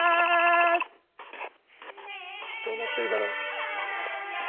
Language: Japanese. どうなってるだろう。